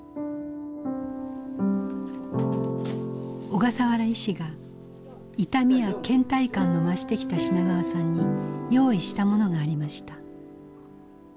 小笠原医師が痛みやけん怠感の増してきた品川さんに用意したものがありました。